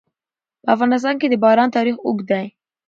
په افغانستان کې د باران تاریخ اوږد دی.